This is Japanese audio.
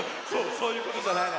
そういうことじゃないの。